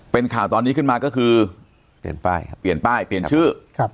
เป็นข่าวตอนนี้ขึ้นมาก็คือเปลี่ยนป้ายครับเปลี่ยนป้ายเปลี่ยนชื่อครับ